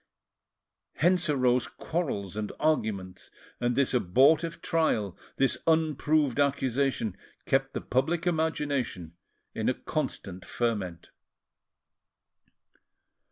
Hence arose quarrels and arguments; and this abortive trial, this unproved accusation, kept the public imagination in a constant ferment.